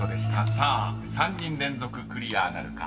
さあ３人連続クリアなるか？］